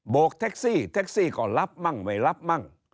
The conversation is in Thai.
โบกเทคซี่เทคซี่ก็รับมั่งไม่รับมั่ง